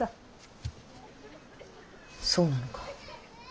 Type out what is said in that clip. そうなのか。